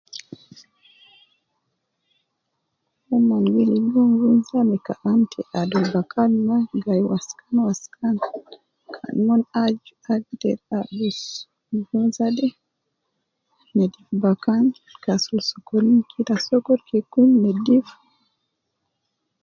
Umon gi ligo nvunza me kalam te adul bakan ma, gai waskan waskan, mon aju agder abis nvunza de nedifu bakan, kasulu sokolin kila sokol kee kun nedif